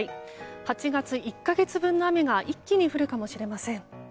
８月１か月分の雨が一気に降るかもしれません。